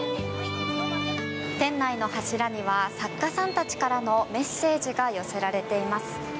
店内の柱には作家さんたちからのメッセージが寄せられています。